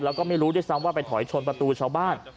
แล้วก็ไม่รู้ด้วยซ้ำว่าไปถอยชนประตูชาวบ้าน